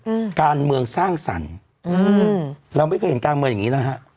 อืมการเมืองสร้างสรรค์อืมเราไม่เคยเห็นการเมืองอย่างงี้นะฮะ